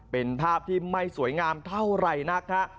เป็นภาพที่ไม่สวยงามเท่าไรน่ะครับ